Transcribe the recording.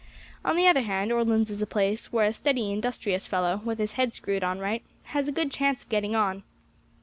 On the other hand, Orleans is a place where a steady industrious fellow, with his head screwed on right, has a good chance of getting on.